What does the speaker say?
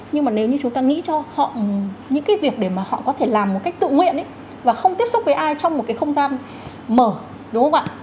nhưng mà nếu như chúng ta nghĩ cho họ những cái việc để mà họ có thể làm một cách tự nguyện và không tiếp xúc với ai trong một cái không gian mở đúng không ạ